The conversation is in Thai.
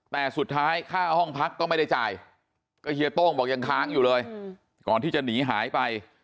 แต่สุดท้ายค่าห้องพักก็ไม่ได้จ่ายก็เฮียโต้งบอกยังค้างอยู่เลยก่อนที่จะหนีหายไป